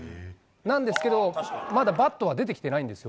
なんですけど、まだバットは出てきてないんですよ。